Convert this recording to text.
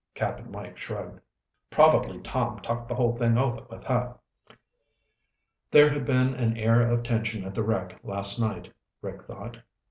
Cap'n Mike shrugged. "Probably Tom talked the whole thing over with her." There had been an air of tension at the wreck last night, Rick thought.